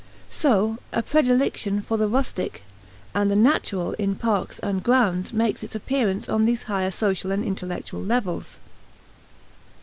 So, a predilection for the rustic and the "natural" in parks and grounds makes its appearance on these higher social and intellectual levels.